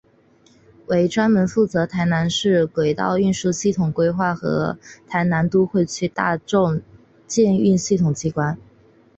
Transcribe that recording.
为专门负责台南市轨道运输系统规划与台南都会区大众捷运系统机关。